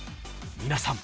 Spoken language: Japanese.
［皆さん。